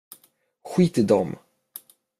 Skit i dem.